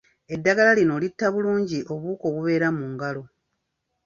Eddagala lino litta bulungi obuwuka obubeera mu ngalo.